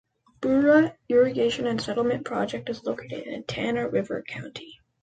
Bura Irrigation and Settlement Project is located in Tana River County.